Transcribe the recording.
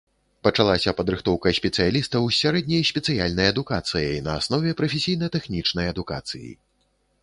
Пачалася падрыхтоўка спецыялістаў з сярэдняй спецыяльнай адукацыяй на аснове прафесійна-тэхнічнай адукацыі.